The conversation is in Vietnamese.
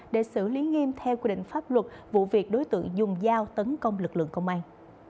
để xử lý nghiêm theo quy định pháp luật vụ việc đối tượng dùng dao tấn công lực lượng công an